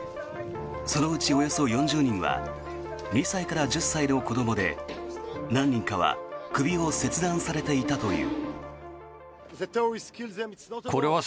そのうちおよそ４０人は２歳から１０歳の子どもで何人かは首を切断されていたという。